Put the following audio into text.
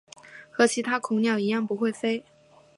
和其他恐鸟一样不会飞。